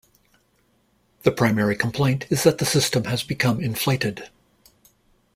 The primary complaint is that the system has become inflated.